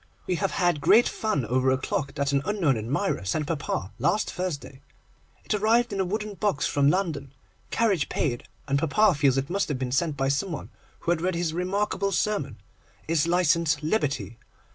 We have had great fun over a clock that an unknown admirer sent papa last Thursday. It arrived in a wooden box from London, carriage paid, and papa feels it must have been sent by some one who had read his remarkable sermon, 'Is Licence Liberty?